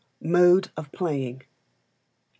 Mode of Playing. i.